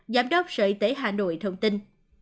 giám đốc sở y tế hà nội thông tin